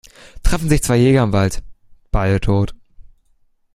Treffen sich zwei Jäger im Wald - beide tot.